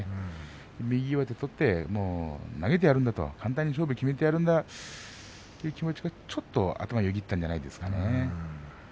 右上手を取って投げてやるんだと簡単に勝負を決めてやるんだとそういう気持ちがちょっと頭をよぎったんじゃないかと思いますね。